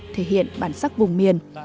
thể hiện bản sắc vùng miền